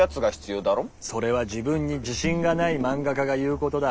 それは自分に自信がない漫画家が言うことだ。